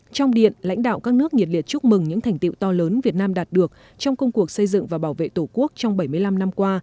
trong điện lãnh đạo các nước nhiệt liệt chúc mừng những thành tiệu to lớn việt nam đạt được trong công cuộc xây dựng và bảo vệ tổ quốc trong bảy mươi năm năm qua